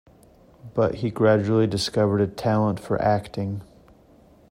But he gradually discovered a talent for acting.